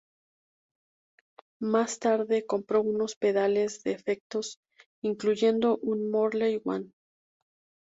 Más tarde compró unos pedales de efectos, incluyendo un Morley Wah.